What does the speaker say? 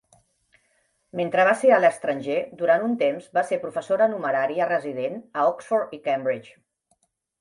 Mentre va ser a l'estranger, durant un temps va ser professora numerària resident a Oxford i Cambridge.